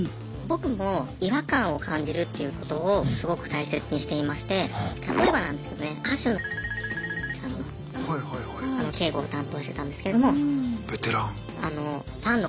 僕も違和感を感じるっていうことをすごく大切にしていまして例えばなんですけどね歌手のさんの警護を担当してたんですけども。ベテラン。